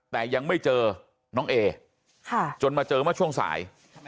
แต่ยังไม่เจอน้องเอจนมาเจอเมื่อช่วงสาย